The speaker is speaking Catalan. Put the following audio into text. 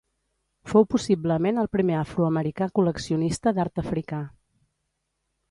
Fou possiblement el primer afroamericà col·leccionista d'art africà.